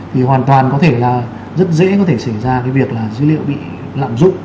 thì hoàn toàn có thể là rất dễ có thể xảy ra cái việc là dữ liệu bị lạm dụng